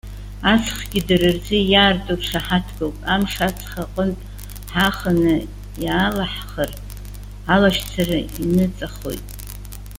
Аҵхгьы дара рзы иаарту ршаҳаҭгоуп. Амш аҵх аҟынтә ҳааханы иаалаҳхыр, алашьцара иныҵахоит.